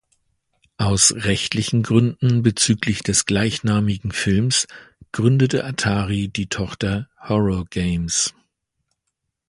Aus rechtlichen Gründen, bezüglich des gleichnamigen Films, gründete Atari die Tochter "Horror Games".